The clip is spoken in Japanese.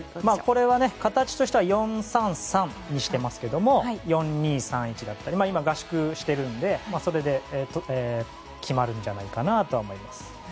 これは、形としては４−３−３にしていますが４ー２−３ー１だったり今、合宿しているのでそれで決まるんじゃないかと思います。